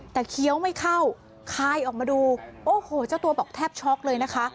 แต่เคี้ยวไม่เข้าคายออกมาดูโอ้โหเจ้าตัวบอกแทบช็อกเลยนะคะ